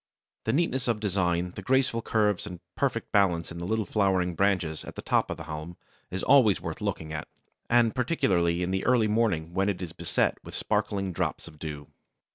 The neatness of design, the graceful curves and perfect balance in the little flowering branches at the top of a haulm, is always worth looking at, and particularly in the early morning when it is beset with sparkling drops of dew.